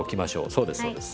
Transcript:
そうですそうです。